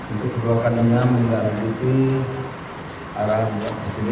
untuk kebawahannya menjalankan arahnya